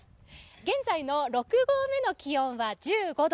現在の六合目の気温は１５度。